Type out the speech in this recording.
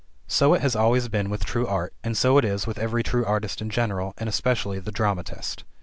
So it has always been with true art, and so it is with every true artist in general and especially the dramatist.